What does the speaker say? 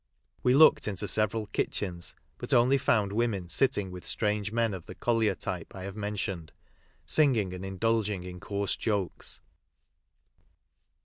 We looked into several kitchens, but only found women sitting with strange men of the collier type I have mentioned, singing and indulging in coarse jokes.